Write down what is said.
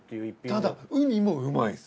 ただうにもうまいんです。